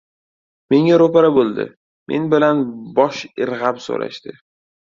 Menga ro‘para bo‘ldi. Men bilan bosh irg‘ab so‘rashdi.